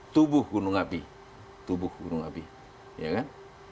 tubuh gunung api tubuh gunung api ya kan